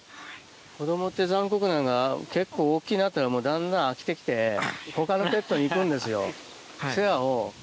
子供って残酷なんが結構大きなったらもうだんだん飽きて来て他のペットに行くんですよ。